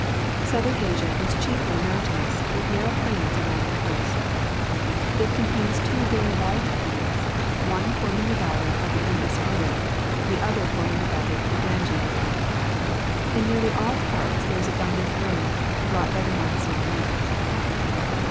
Southern Asia is chiefly mountainous, with narrow plains around the coast. It contains two very large plains, one forming _ the valley of the Indus Riv er, the other form ing the valley of thp Ga nges,, In nearly all parts there is abundant rain, brought by the monsoon winds.